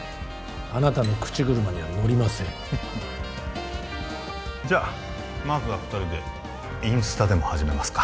あなたの口車には乗りませんフフじゃあまずは二人でインスタでも始めますか？